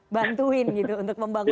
bantuin gitu untuk membangun